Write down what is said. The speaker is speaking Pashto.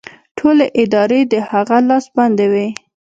ټولې ادارې د هغه لاس باندې وې